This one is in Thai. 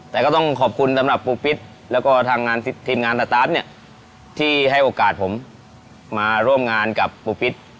แต่ก็ต้องขอบคุณสำหรับปูปิศและทีมงานสตาร์ทที่ให้โอกาสผมมาร่วมงานกับปูปิศ